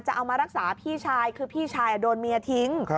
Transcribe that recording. เอามารักษาพี่ชายคือพี่ชายโดนเมียทิ้ง